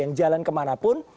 yang jalan kemana pun